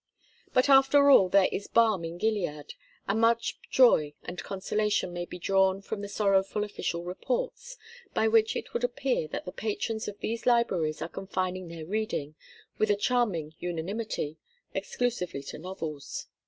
But after all there is balm in Gilead; and much joy and consolation may be drawn from the sorrowful official reports, by which it would appear that the patrons of these libraries are confining their reading, with a charming unanimity, exclusively to novels.